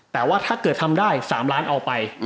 แต่ว่าถ้าเกิดทำได้๓ล้านเอาไป